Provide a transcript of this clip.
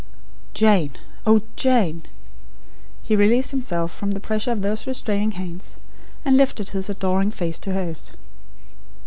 "Jane! Oh, Jane " He released himself from the pressure of those restraining hands, and lifted his adoring face to hers.